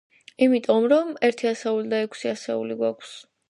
იმიტომ რომ, ერთი ასეული და ექვსი ასეული გვაქვს.